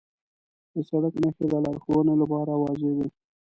د سړک نښې د لارښوونې لپاره واضح وي.